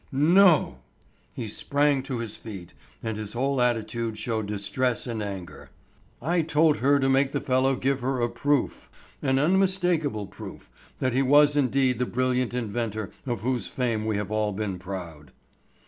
"No!" He sprang to his feet and his whole attitude showed distress and anger. "I told her to make the fellow give her a proof, an unmistakable proof, that he was indeed the brilliant inventor of whose fame we have all been proud."